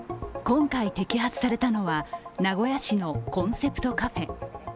今回摘発されたのは名古屋市のコンセプトカフェ。